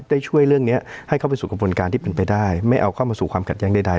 ช่วยเรื่องนี้ให้เข้าไปสู่กระบวนการที่เป็นไปได้ไม่เอาเข้ามาสู่ความขัดแย้งใด